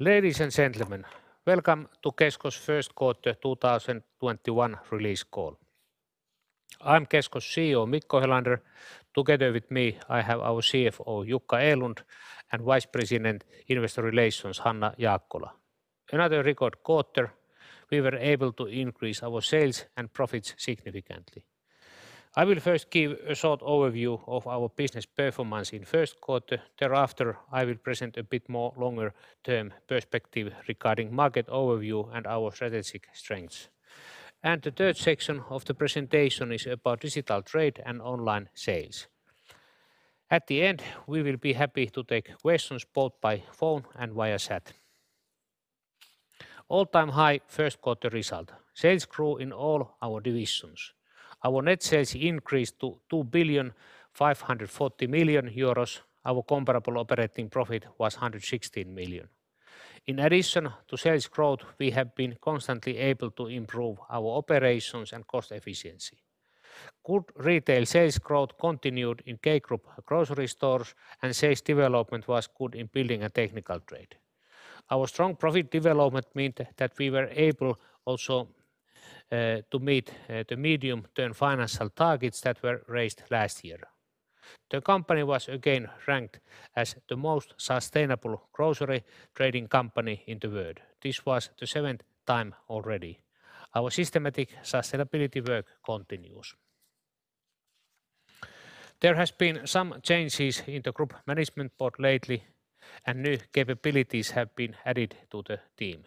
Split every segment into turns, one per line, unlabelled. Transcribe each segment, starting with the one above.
Ladies and gentlemen, welcome to Kesko's First Quarter 2021 Release Call. I'm Kesko's CEO, Mikko Helander. Together with me, I have our CFO, Jukka Erlund, and Vice President, Investor Relations, Hanna Jaakkola. Another record quarter, we were able to increase our sales and profits significantly. I will first give a short overview of our business performance in first quarter. Thereafter, I will present a bit more longer-term perspective regarding market overview and our strategic strengths. The third section of the presentation is about digital trade and online sales. At the end, we will be happy to take questions both by phone and via chat. All-time high first quarter result. Sales grew in all our divisions. Our net sales increased to 2.540 billion. Our comparable operating profit was 116 million. In addition to sales growth, we have been constantly able to improve our operations and cost efficiency. Good retail sales growth continued in K Group grocery stores. Sales development was good in Building and Technical Trade. Our strong profit development meant that we were able also to meet the medium-term financial targets that were raised last year. The company was again ranked as the most sustainable grocery trading company in the world. This was the seventh time already. Our systematic sustainability work continues. There has been some changes in the group management board lately. New capabilities have been added to the team.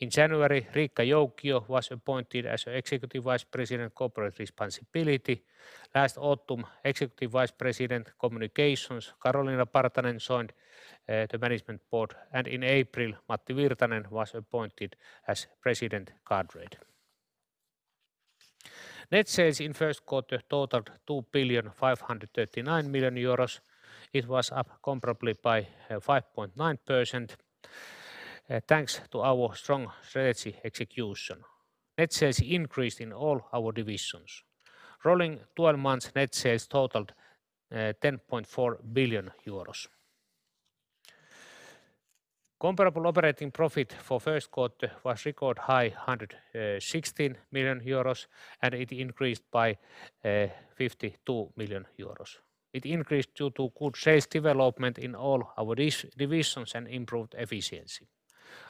In January, Riikka Joukio was appointed as Executive Vice President, Corporate Responsibility. Last autumn, Executive Vice President, Communications, Karoliina Partanen, joined the management board. In April, Matti Virtanen was appointed as President, Car Trade. Net sales in first quarter totaled 2.539 billion. It was up comparably by 5.9%, thanks to our strong strategy execution. Net sales increased in all our divisions. Rolling 12 months net sales totaled 10.4 billion euros. Comparable operating profit for first quarter was record high, 116 million euros, and it increased by 52 million euros. It increased due to good sales development in all our divisions and improved efficiency.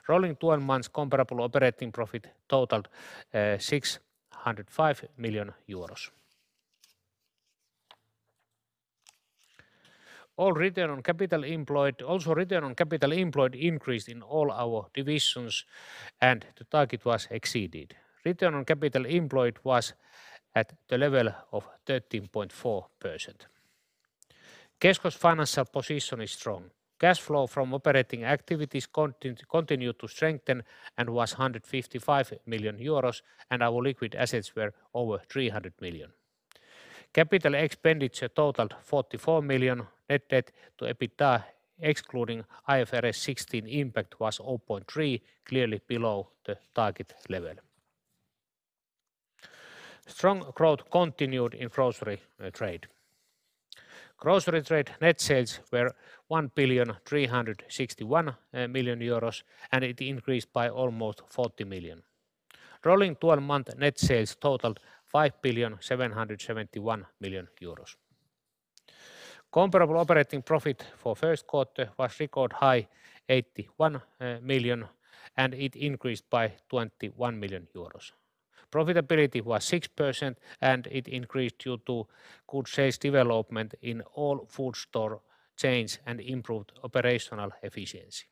Rolling 12 months comparable operating profit totaled EUR 605 million. Also return on capital employed increased in all our divisions, and the target was exceeded. Return on capital employed was at the level of 13.4%. Kesko's financial position is strong. Cash flow from operating activities continued to strengthen and was 155 million euros, and our liquid assets were over 300 million. Capital expenditure totaled 44 million. Net debt to EBITDA, excluding IFRS 16 impact, was 0.3, clearly below the target level. Strong growth continued in Grocery Trade. Grocery Trade net sales were 1.361 billion, and it increased by almost 40 million. Rolling 12 month net sales totaled 5.771 billion. Comparable operating profit for first quarter was record high, 81 million, and it increased by 21 million euros. Profitability was 6%, and it increased due to good sales development in all food store chains and improved operational efficiency.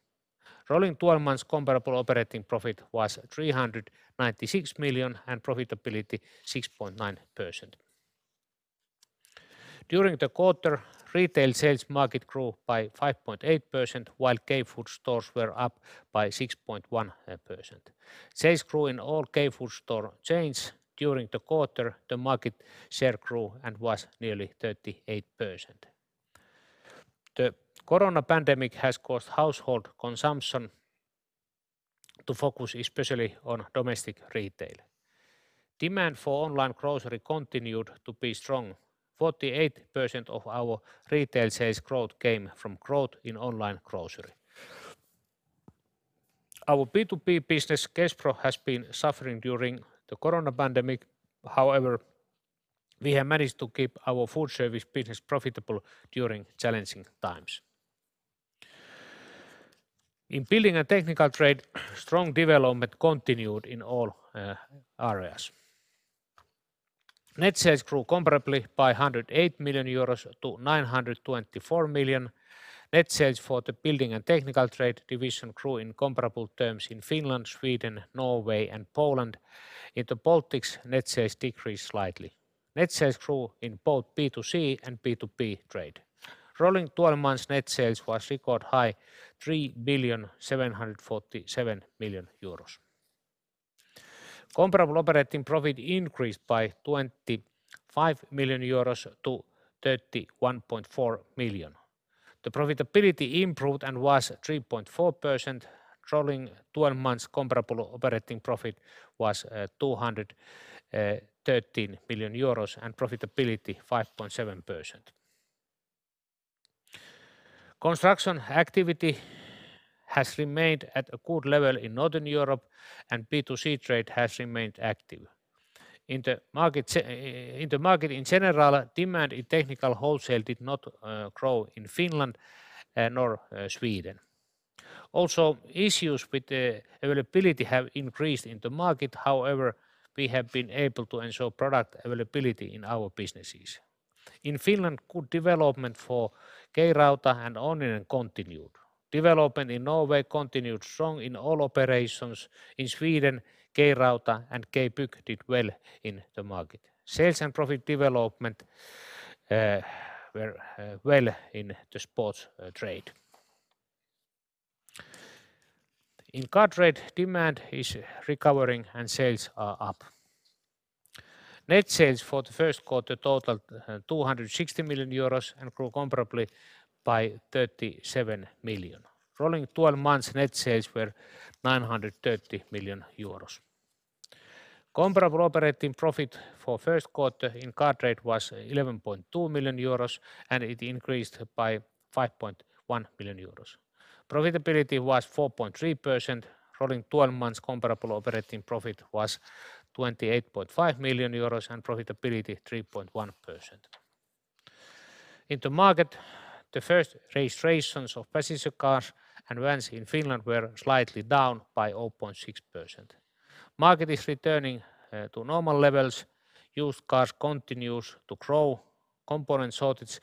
Rolling 12 months comparable operating profit was 396 million and profitability 6.9%. During the quarter, retail sales market grew by 5.8%, while K-Food stores were up by 6.1%. Sales grew in all K-Food store chains. During the quarter, the market share grew and was nearly 38%. The corona pandemic has caused household consumption to focus especially on domestic retail. Demand for online grocery continued to be strong. 48% of our retail sales growth came from growth in online grocery. Our B2B business, Kespro, has been suffering during the corona pandemic. However, we have managed to keep our food service business profitable during challenging times. In Building and Technical Trade, strong development continued in all areas. Net sales grew comparably by 108 million-924 million euros. Net sales for the Building and Technical Trade division grew in comparable terms in Finland, Sweden, Norway, and Poland. In the Baltics, net sales decreased slightly. Net sales grew in both B2C and B2B trade. Rolling 12 months net sales was record high, 3.747 billion. Comparable operating profit increased by 25 million-31.4 million euros. The profitability improved and was 3.4%. Rolling 12 months comparable operating profit was 213 million euros and profitability 5.7%. Construction activity has remained at a good level in Northern Europe, and B2C trade has remained active. In the market in general, demand in technical wholesale did not grow in Finland nor Sweden. Also, issues with availability have increased in the market. However, we have been able to ensure product availability in our businesses. In Finland, good development for K-Rauta and Onninen continued. Development in Norway continued strong in all operations. In Sweden, K-Rauta and K-Bygg did well in the market. Sales and profit development were well in the sports trade. In car trade, demand is recovering and sales are up. Net sales for the first quarter totaled 260 million euros and grew comparably by 37 million. Rolling 12 months net sales were 930 million euros. Comparable operating profit for first quarter in car trade was 11.2 million euros, and it increased by 5.1 million euros. Profitability was 4.3%. Rolling 12 months comparable operating profit was 28.5 million euros and profitability 3.1%. In the market, the first registrations of passenger cars and vans in Finland were slightly down by 0.6%. Market is returning to normal levels. Used cars continues to grow. Component shortage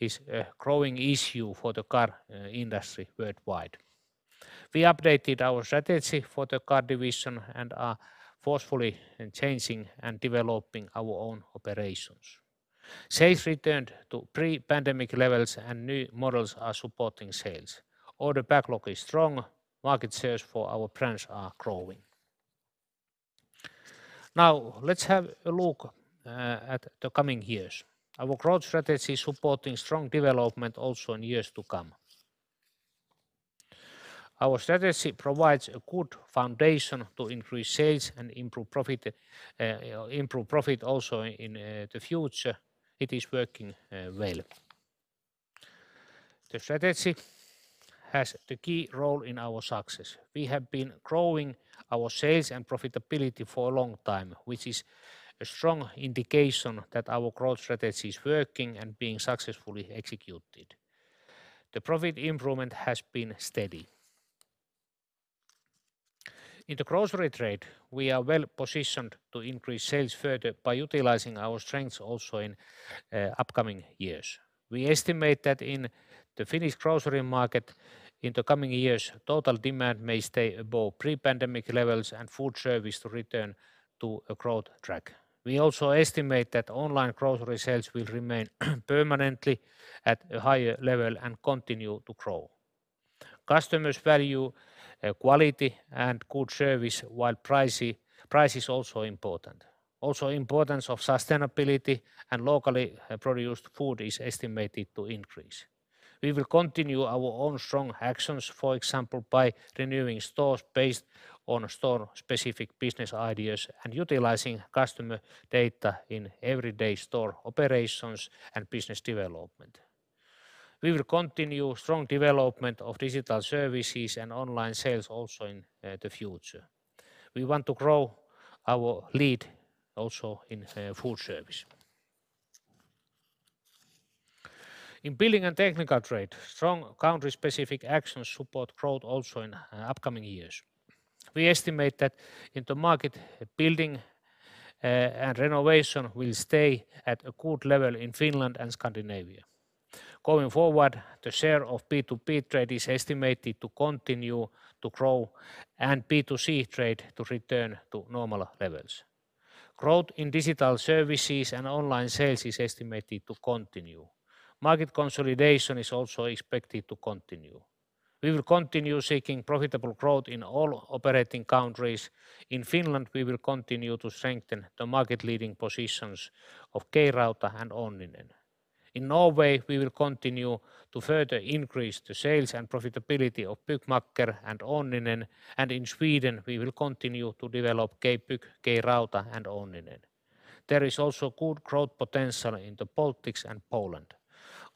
is a growing issue for the car industry worldwide. We updated our strategy for the car division and are forcefully changing and developing our own operations. Sales returned to pre-pandemic levels and new models are supporting sales. Order backlog is strong. Market shares for our brands are growing. Now, let's have a look at the coming years. Our growth strategy supporting strong development also in years to come. Our strategy provides a good foundation to increase sales and improve profit also in the future. It is working well. The strategy has the key role in our success. We have been growing our sales and profitability for a long time, which is a strong indication that our growth strategy is working and being successfully executed. The profit improvement has been steady. In the Grocery Trade, we are well-positioned to increase sales further by utilizing our strengths also in upcoming years. We estimate that in the Finnish grocery market in the coming years, total demand may stay above pre-pandemic levels and food service to return to a growth track. We also estimate that online grocery sales will remain permanently at a higher level and continue to grow. Customers value quality and good service while price is also important. Also importance of sustainability and locally produced food is estimated to increase. We will continue our own strong actions, for example, by renewing stores based on store-specific business ideas and utilizing customer data in everyday store operations and business development. We will continue strong development of digital services and online sales also in the future. We want to grow our lead also in food service. In building and technical trade, strong country-specific actions support growth also in upcoming years. We estimate that in the market, building and renovation will stay at a good level in Finland and Scandinavia. Going forward, the share of B2B trade is estimated to continue to grow and B2C trade to return to normal levels. Growth in digital services and online sales is estimated to continue. Market consolidation is also expected to continue. We will continue seeking profitable growth in all operating countries. In Finland, we will continue to strengthen the market-leading positions of K-Rauta and Onninen. In Norway, we will continue to further increase the sales and profitability of Byggmakker and Onninen, and in Sweden, we will continue to develop K-Bygg, K-Rauta, and Onninen. There is also good growth potential in the Baltics and Poland.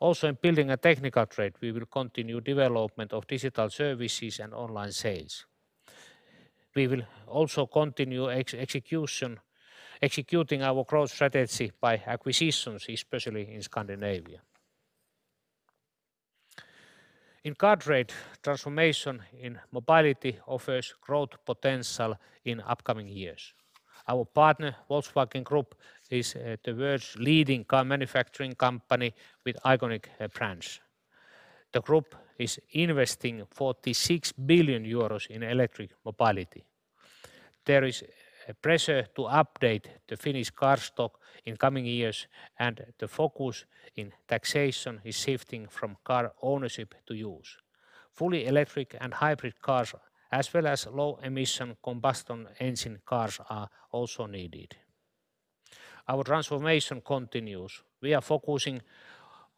Also, in Building and Technical Trade, we will continue development of digital services and online sales. We will also continue executing our growth strategy by acquisitions, especially in Scandinavia. In car trade, transformation in mobility offers growth potential in upcoming years. Our partner, Volkswagen Group, is the world's leading car manufacturing company with iconic brands. The group is investing 46 billion euros in electric mobility. There is pressure to update the Finnish car stock in coming years, and the focus in taxation is shifting from car ownership to use. Fully electric and hybrid cars, as well as low-emission combustion engine cars, are also needed. Our transformation continues. We are focusing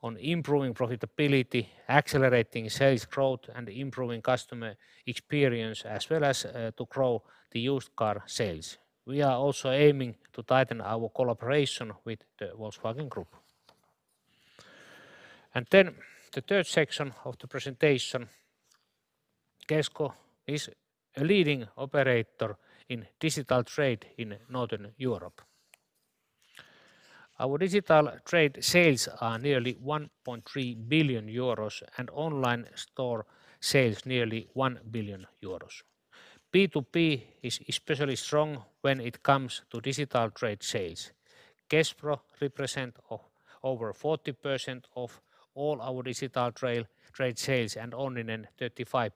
on improving profitability, accelerating sales growth, and improving customer experience, as well as to grow the used car sales. We are also aiming to tighten our collaboration with the Volkswagen Group. Then the third section of the presentation, Kesko is a leading operator in digital trade in Northern Europe. Our digital trade sales are nearly 1.3 billion euros and online store sales nearly 1 billion euros. B2B is especially strong when it comes to digital trade sales. Kespro represents over 40% of all our digital trade sales, and Onninen 35%.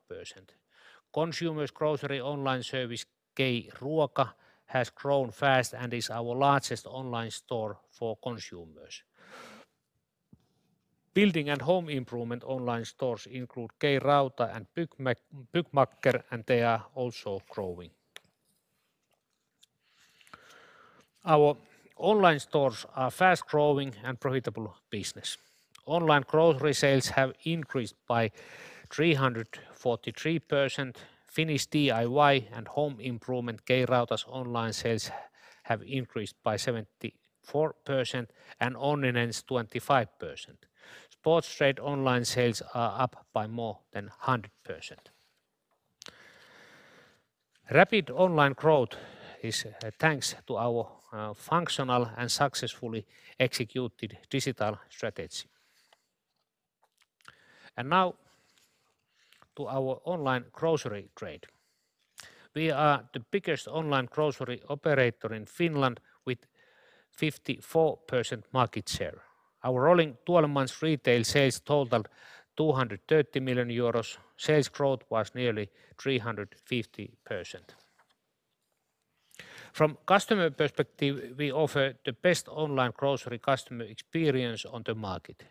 Consumers grocery online service, K-Ruoka, has grown fast and is our largest online store for consumers. Building and home improvement online stores include K-Rauta and Byggmakker, and they are also growing. Our online stores are fast growing and profitable business. Online grocery sales have increased by 343%. Finnish DIY and home improvement K-Rauta's online sales have increased by 74%, and Onninen's 25%. Sports trade online sales are up by more than 100%. Rapid online growth is thanks to our functional and successfully executed digital strategy. Now to our online grocery trade. We are the biggest online grocery operator in Finland with 54% market share. Our rolling 12 months retail sales total 230 million euros. Sales growth was nearly 350%. From customer perspective, we offer the best online grocery customer experience on the market.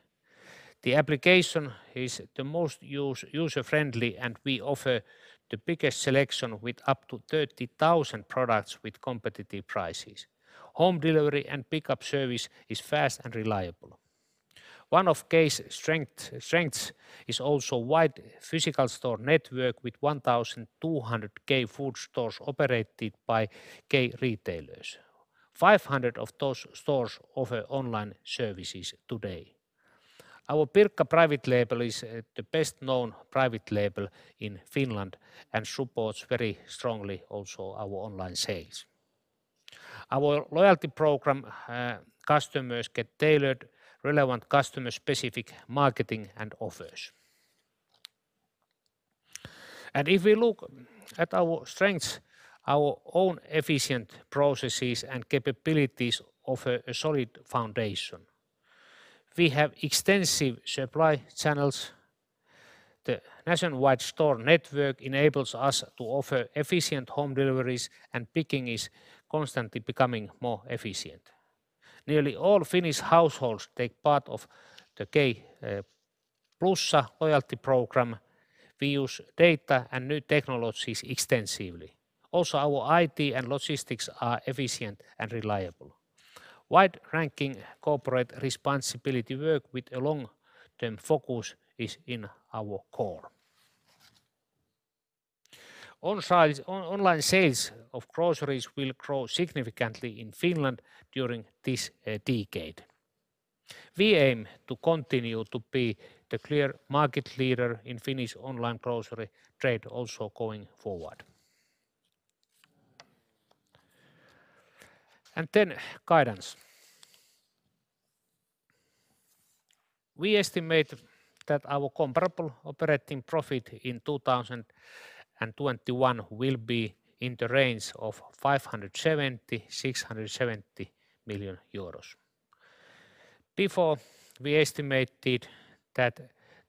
The application is the most user-friendly, and we offer the biggest selection with up to 30,000 products with competitive prices. Home delivery and pickup service is fast and reliable. One of K's strengths is also wide physical store network with 1,200 K-Food stores operated by K retailers. 500 of those stores offer online services today. Our Pirkka private label is the best known private label in Finland and supports very strongly also our online sales. Our loyalty program customers get tailored relevant customer specific marketing and offers. If we look at our strengths, our own efficient processes and capabilities offer a solid foundation. We have extensive supply channels. The nationwide store network enables us to offer efficient home deliveries and picking is constantly becoming more efficient. Nearly all Finnish households take part of the K-Plussa loyalty program. We use data and new technologies extensively. Our IT and logistics are efficient and reliable. Wide-ranking corporate responsibility work with a long-term focus is in our core. Online sales of groceries will grow significantly in Finland during this decade. We aim to continue to be the clear market leader in Finnish online grocery trade also going forward. Guidance. We estimate that our comparable operating profit in 2021 will be in the range of 570 million-670 million euros. Before, we estimated that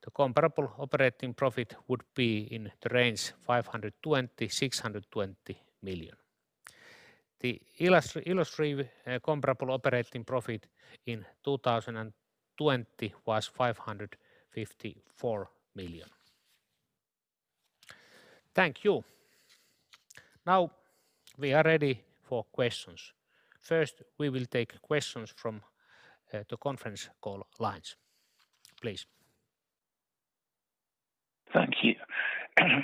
the comparable operating profit would be in the range 520 million-620 million. The illustrative comparable operating profit in 2020 was 554 million. Thank you. Now, we are ready for questions. First, we will take questions from the conference call lines. Please.
Thank you.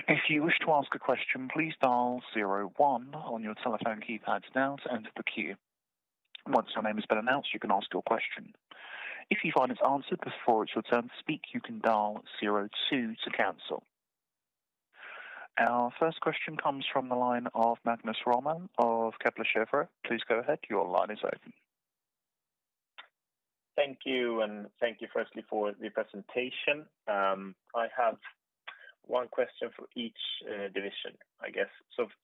If you wish to ask a question, please dial zero, one on your telephone keypad now and enter the queue. Once your name has been announced, you can ask your question. If you find it's answered before it's your turn to speak, you can dial zero, two to cancel. Our first question comes from the line of Magnus Råman of Kepler Cheuvreux. Please go ahead. Your line is open.
Thank you, and thank you firstly for the presentation. I have one question for each division, I guess.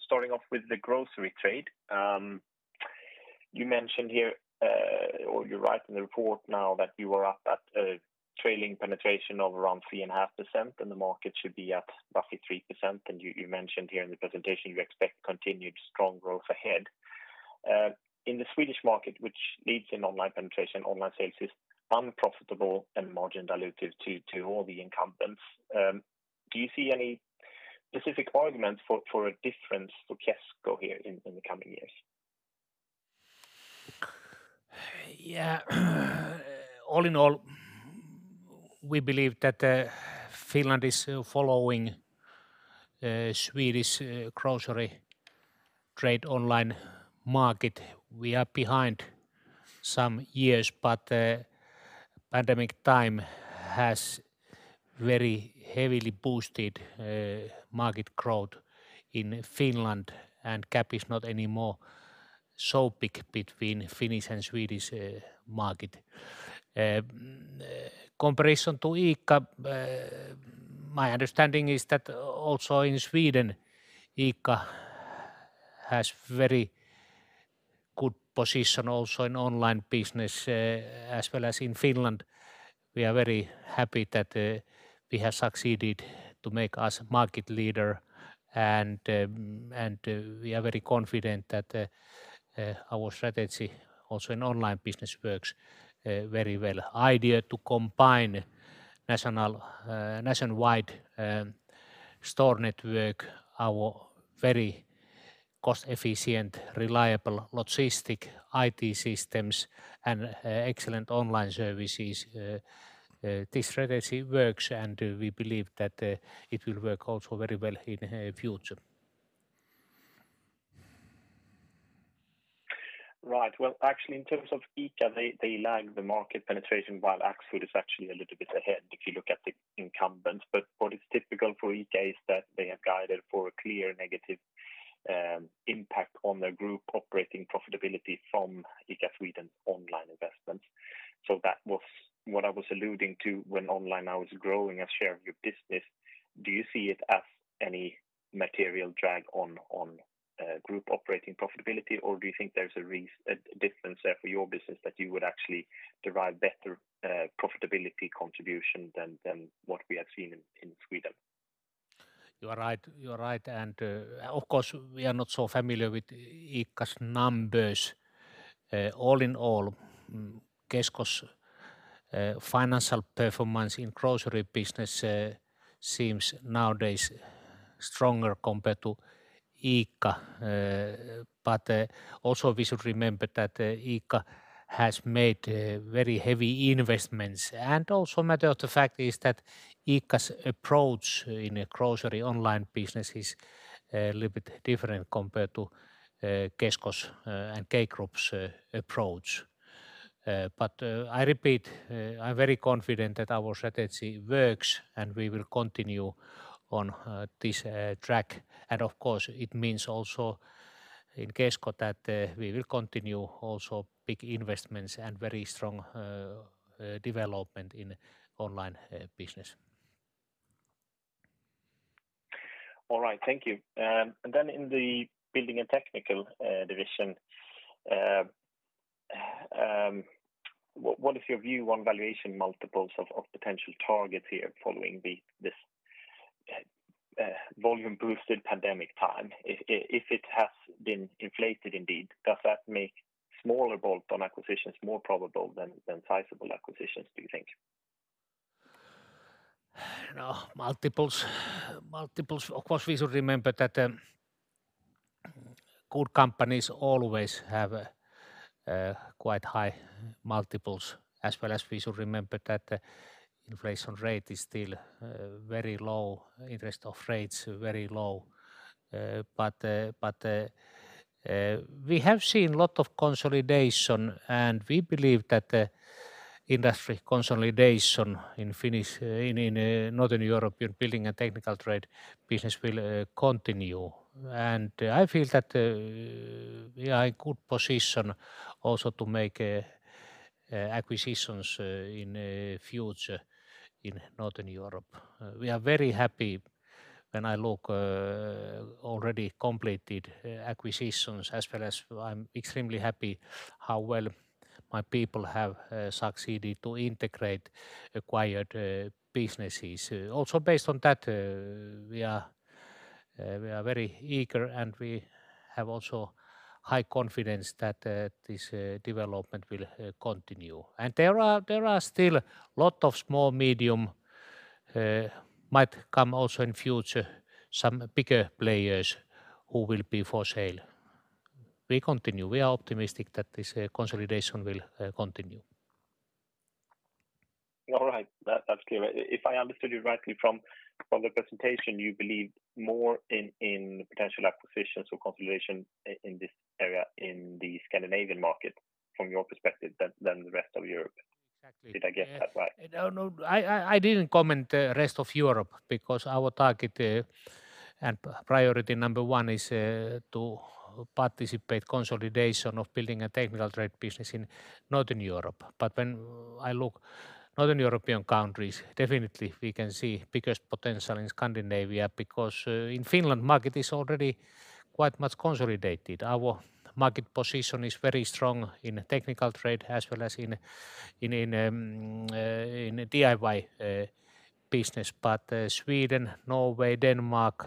Starting off with the grocery trade, you mentioned here, or you write in the report now that you are up at a trailing penetration of around 3.5% and the market should be at roughly 3%. You mentioned here in the presentation you expect continued strong growth ahead. In the Swedish market, which leads in online penetration, online sales is unprofitable and margin dilutive to all the incumbents. Do you see any specific arguments for a difference for Kesko here in the coming years?
All in all, we believe that Finland is following Swedish grocery trade online market. We are behind some years, but pandemic time has very heavily boosted market growth in Finland, and gap is not anymore so big between Finnish and Swedish market. Comparison to ICA, my understanding is that also in Sweden, ICA has very good position also in online business, as well as in Finland. We are very happy that we have succeeded to make us market leader, and we are very confident that our strategy also in online business works very well, idea to combine nationwide store network, our very cost-efficient, reliable logistic IT systems and excellent online services. This strategy works, and we believe that it will work also very well in future.
Right. Well, actually, in terms of ICA, they lag the market penetration while Axfood is actually a little bit ahead if you look at the incumbents. What is typical for ICA is that they have guided for a clear negative impact on their group operating profitability from ICA Sweden's online investments. That was what I was alluding to when online now is growing a share of your business. Do you see it as any material drag on group operating profitability, or do you think there's a difference there for your business that you would actually derive better profitability contribution than what we have seen in Sweden?
You are right. Of course, we are not so familiar with ICA's numbers. All in all, Kesko's financial performance in grocery business seems nowadays stronger compared to ICA. Also we should remember that ICA has made very heavy investments. Also matter of the fact is that ICA's approach in a grocery online business is a little bit different compared to Kesko's and K Group's approach. I repeat, I'm very confident that our strategy works, and we will continue on this track. Of course, it means also in Kesko that we will continue also big investments and very strong development in online business.
All right. Thank you. Then in the Building and Technical Division what is your view on valuation multiples of potential targets here following this volume boosted pandemic time? If it has been inflated indeed, does that make smaller bolt-on acquisitions more probable than sizable acquisitions, do you think?
No. Multiples, of course, we should remember that good companies always have quite high multiples. As well as we should remember that inflation rate is still very low, interest rates very low. We have seen lot of consolidation, and we believe that industry consolidation in Northern European Building and Technical Trade business will continue. I feel that we are in good position also to make acquisitions in future in Northern Europe. We are very happy when I look already completed acquisitions, as well as I'm extremely happy how well my people have succeeded to integrate acquired businesses. Also based on that, we are very eager, and we have also high confidence that this development will continue. There are still lot of small, medium might come also in future, some bigger players who will be for sale. We continue. We are optimistic that this consolidation will continue.
All right. That's clear. If I understood you rightly from the presentation, you believe more in potential acquisitions or consolidation in this area, in the Scandinavian market, from your perspective, than the rest of Europe.
Exactly.
Did I get that right?
I didn't comment the rest of Europe because our target and priority number one is to participate consolidation of building a technical trade business in Northern Europe. When I look Northern European countries, definitely we can see biggest potential in Scandinavia because in Finland, market is already quite much consolidated. Our market position is very strong in technical trade as well as in DIY business. Sweden, Norway, Denmark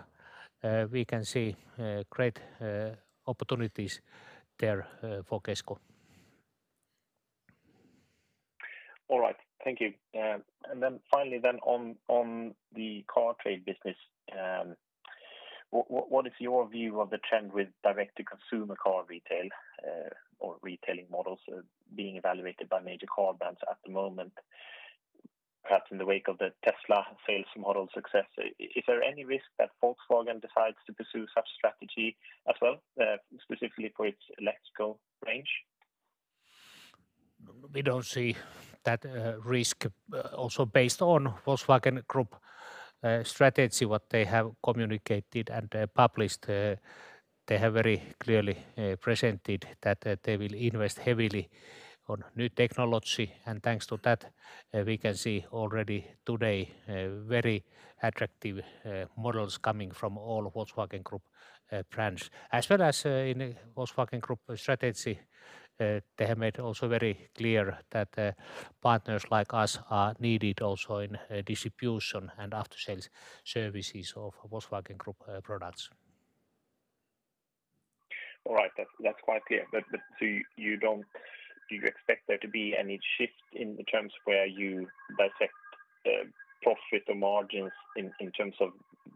we can see great opportunities there for Kesko.
All right. Thank you. Then finally then on the car trade business what is your view of the trend with direct-to-consumer car retail or retailing models being evaluated by major car brands at the moment. That's in the wake of the Tesla sales model success. Is there any risk that Volkswagen decides to pursue such strategy as well, specifically for its electrical range?
We don't see that risk also based on Volkswagen Group strategy, what they have communicated and published. They have very clearly presented that they will invest heavily on new technology, and thanks to that, we can see already today very attractive models coming from all Volkswagen Group brands. As well as in Volkswagen Group strategy, they have made also very clear that partners like us are needed also in distribution and after-sales services of Volkswagen Group products.
All right. That's quite clear. Do you expect there to be any shift in the terms where you dissect profit or margins in terms of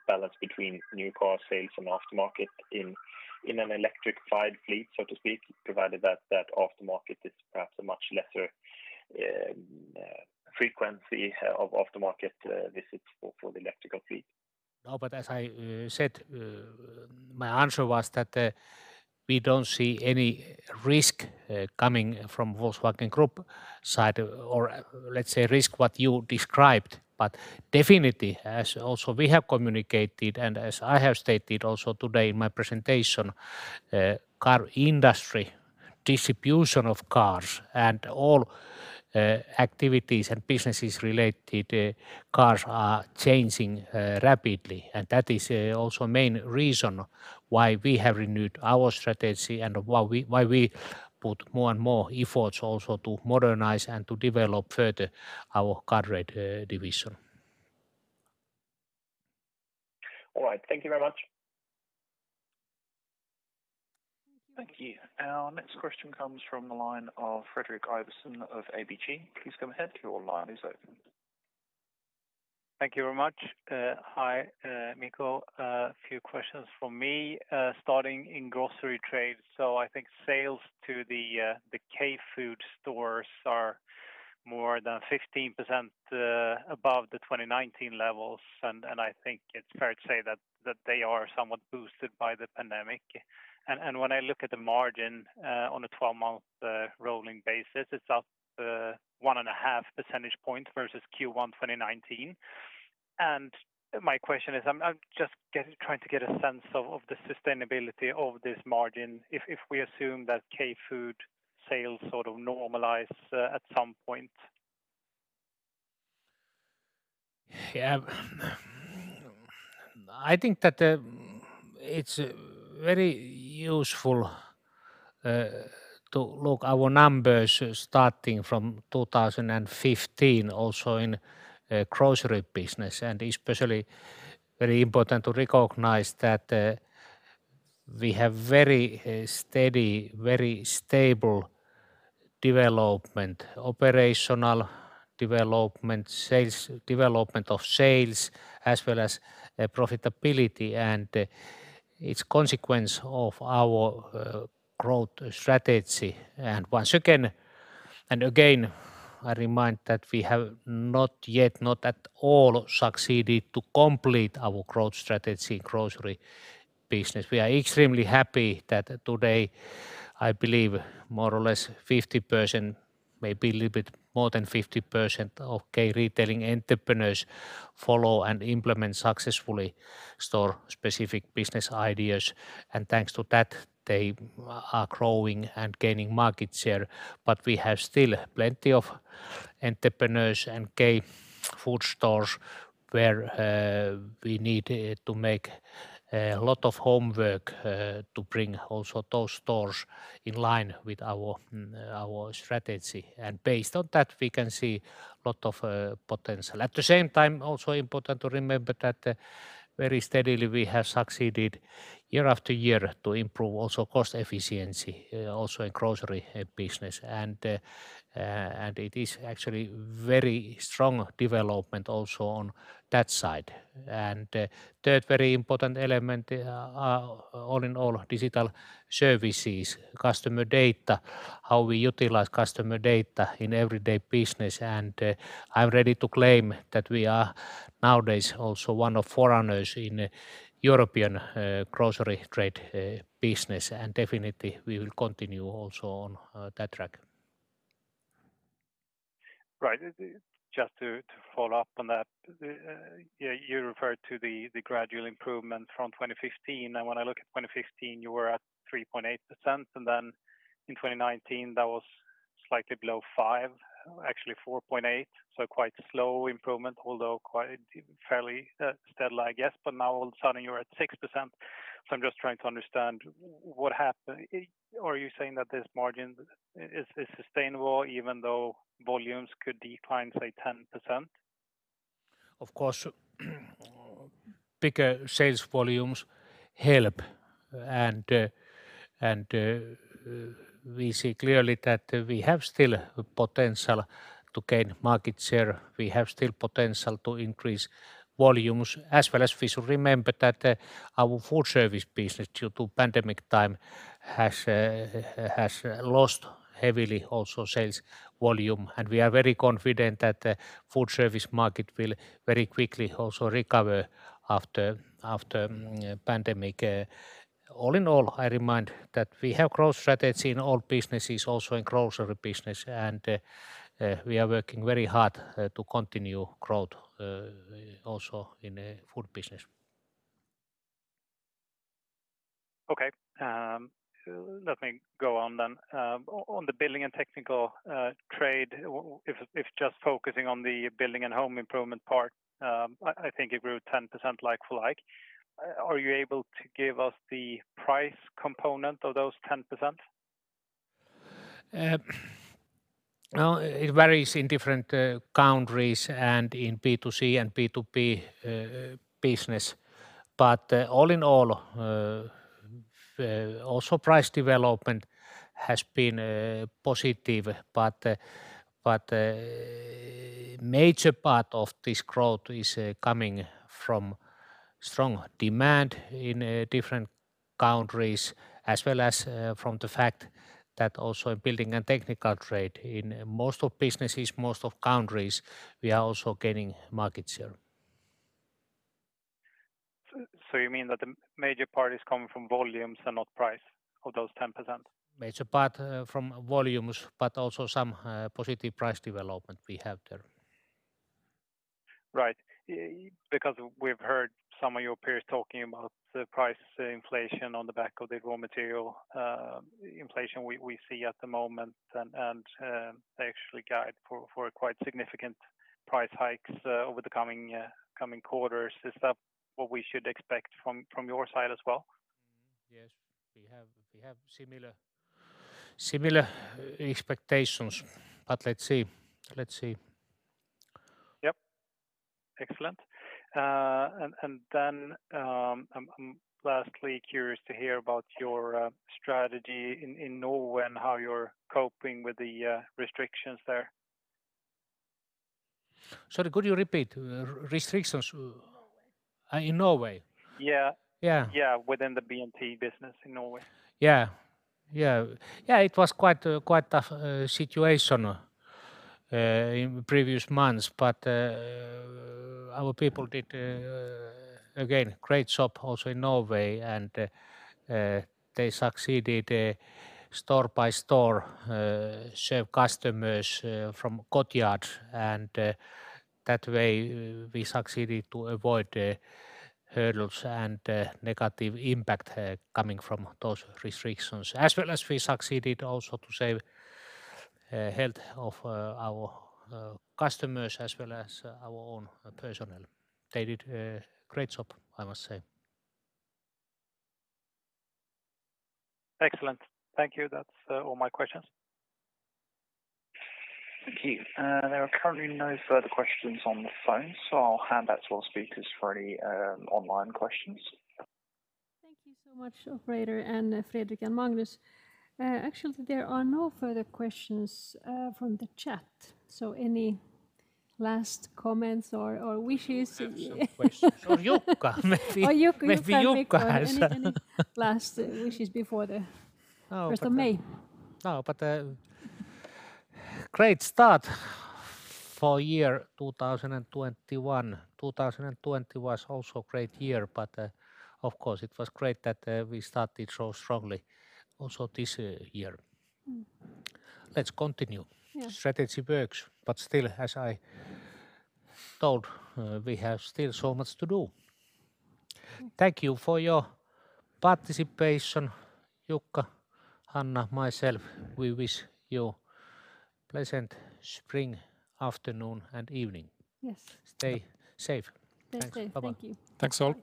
balance between new car sales and aftermarket in an electrified fleet, so to speak, provided that that aftermarket is perhaps a much lesser frequency of aftermarket visits for the electrical fleet?
As I said, my answer was that we don't see any risk coming from Volkswagen Group side or, let's say, risk what you described. Definitely, as also we have communicated and as I have stated also today in my presentation, car industry, distribution of cars, and all activities and businesses related cars are changing rapidly. That is also main reason why we have renewed our strategy and why we put more and more efforts also to modernize and to develop further our car trade division.
All right. Thank you very much.
Thank you. Our next question comes from the line of Fredrik Ivarsson of ABG. Please go ahead.
Thank you very much. Hi, Mikko. A few questions from me starting in grocery trade. I think sales to the K-Food stores are more than 15% above the 2019 levels, and I think it's fair to say that they are somewhat boosted by the pandemic. When I look at the margin on a 12-month rolling basis, it's up 1.5 Percentage point versus Q1 2019. My question is I'm just trying to get a sense of the sustainability of this margin if we assume that K-Food sales sort of normalize at some point.
Yeah. I think that it's very useful to look our numbers starting from 2015 also in grocery business. Especially very important to recognize that we have very steady, very stable development, operational development of sales as well as profitability, and its consequence of our growth strategy. Once again, I remind that we have not yet, not at all succeeded to complete our growth strategy in grocery business. We are extremely happy that today, I believe more or less 50%, maybe a little bit more than 50% of K retailing entrepreneurs follow and implement successfully store-specific business ideas. Thanks to that, they are growing and gaining market share. We have still plenty of entrepreneurs and K-Food stores where we need to make a lot of homework to bring also those stores in line with our strategy. Based on that, we can see lot of potential. At the same time, also important to remember that very steadily, we have succeeded year-after-year to improve also cost efficiency also in grocery business. It is actually very strong development also on that side. Third very important element all in all, digital services, customer data, how we utilize customer data in everyday business. I'm ready to claim that we are nowadays also one of forerunners in European grocery trade business, and definitely we will continue also on that track.
Right. Just to follow up on that. You referred to the gradual improvement from 2015. When I look at 2015, you were at 3.8%, and then in 2019, that was slightly below 5%, actually 4.8%. Quite slow improvement, although fairly steady, I guess. Now all of a sudden you're at 6%. I'm just trying to understand what happened. Are you saying that this margin is sustainable even though volumes could decline, say, 10%?
Of course, bigger sales volumes help. We see clearly that we have still potential to gain market share. We have still potential to increase volumes as well as we should remember that our foodservice business, due to pandemic time, has lost heavily also sales volume. We are very confident that the foodservice market will very quickly also recover after pandemic. All in all, I remind that we have growth strategy in all businesses, also in grocery business, and we are working very hard to continue growth also in food business.
Okay. Let me go on then. On the Building and Technical Trade, if just focusing on the building and home improvement part, I think it grew 10% like-for-like. Are you able to give us the price component of those 10%?
It varies in different countries and in B2C and B2B business. All in all, also price development has been positive. Major part of this growth is coming from strong demand in different countries as well as from the fact that also in building and technical trade in most of businesses, most of countries, we are also gaining market share.
You mean that the major part is coming from volumes and not price of those 10%?
Major part from volumes, but also some positive price development we have there.
Right. We've heard some of your peers talking about the price inflation on the back of the raw material inflation we see at the moment, and they actually guide for a quite significant price hikes over the coming quarters. Is that what we should expect from your side as well?
Yes. We have similar expectations, but let's see.
Yep. Excellent. Then, I'm lastly curious to hear about your strategy in Norway and how you're coping with the restrictions there.
Sorry, could you repeat? Restrictions in Norway?
Yeah.
Yeah.
Yeah. Within the B&T business in Norway.
Yeah. It was quite a tough situation in previous months. Our people did, again, great job also in Norway and they succeeded store by store serve customers from courtyard. That way we succeeded to avoid hurdles and negative impact coming from those restrictions. As well as we succeeded also to save health of our customers as well as our own personnel. They did a great job, I must say.
Excellent. Thank you. That's all my questions.
Thank you. There are currently no further questions on the phone, so I'll hand back to our speakers for any online questions.
Thank you so much, operator and Fredrik and Magnus. Actually, there are no further questions from the chat. Any last comments or wishes?
Questions for Jukka maybe.
Jukka, you can make any-
Maybe Jukka has-...
last wishes before the 1st of May.
No, great start for year 2021. 2020 was also great year, of course it was great that we started so strongly also this year. Let's continue.
Yeah.
Strategy works, as I told, we have still so much to do. Thank you for your participation. Jukka, Hanna, myself, we wish you pleasant spring afternoon and evening.
Yes.
Stay safe.
Stay safe.
Thanks. Bye-bye.
Thank you.
Thanks all.